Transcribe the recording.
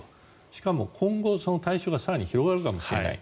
しかも、今後対象が更に広がるかもしれない。